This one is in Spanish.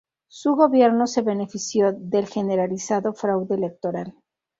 Su gobierno se benefició del generalizado fraude electoral.